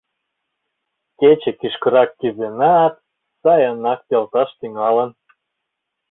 Кече кӱшкырак кӱзенат, сайынак пелташ тӱҥалын.